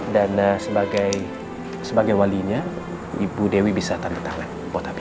dan sebagai walinya ibu dewi bisa tandatangan buat nabi